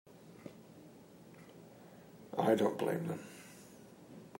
I don't blame them.